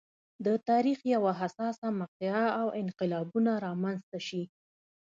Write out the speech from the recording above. د تاریخ یوه حساسه مقطعه او انقلابونه رامنځته شي.